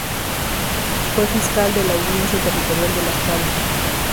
Fue fiscal de la Audiencia Territorial de Las Palmas.